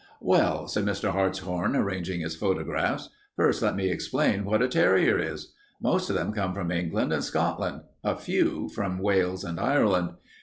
"Well," said Mr. Hartshorn, arranging his photographs, "first let me explain what a terrier is. Most of them come from England and Scotland. A few from Wales and Ireland.